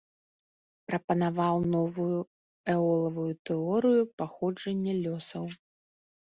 Прапанаваў новую эолавую тэорыю паходжання лёсаў.